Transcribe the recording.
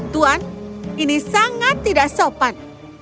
tuan ini sangat tidak sopan